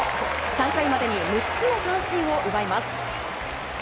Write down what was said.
３回までに６つの三振を奪います。